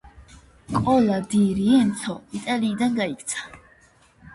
კოლა დი რიენცო იტალიიდან გაიქცა.